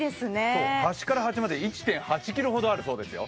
端から端で１．８ｋｍほどあるそうですよ。